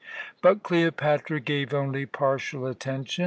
But Cleopatra gave only partial attention.